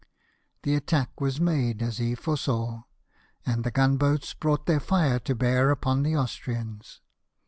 The attack was made as he foresaw ; and the gun boats brought their fire to bear upon the Austrians.